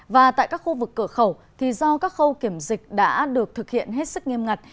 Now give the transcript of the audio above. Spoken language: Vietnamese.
và tại các khu vực cửa khẩu thì do các khâu kiểm dịch đã được thực hiện hết sức nghiêm ngặt